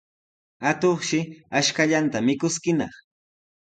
Atuqshi ashkallanta mikuskinaq.